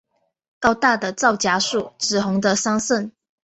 高大的皂荚树，紫红的桑葚